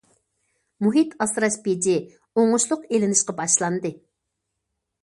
مۇھىت ئاسراش بېجى ئوڭۇشلۇق ئېلىنىشقا باشلاندى.